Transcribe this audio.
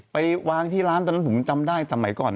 ไปวางที่ร้านตอนนั้นผมจำได้สมัยก่อน